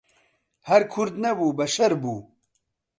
هەر کورد نەبوو بەشەر بوو